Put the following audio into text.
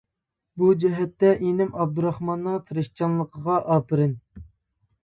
بۇ جەھەتتە ئىنىم ئابدۇراخماننىڭ تىرىشچانلىقىغا ئاپىرىن!